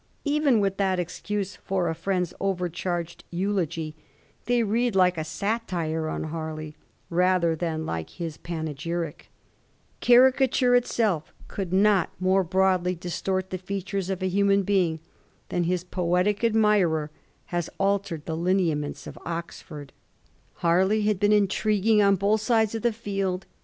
Even with that excuse for a Mend's overcharged eulogy, they read like a satire on Barley rather than like his panegyric. Caricature itself could not more broadly Digiti zed by Google 38 A HISTORY OF THE FOUR GEORGES. oh. il distort the features of a human being than his poetic admirer has altered the lineaments of Oxford. Har ley had been intriguing on both sides of the field.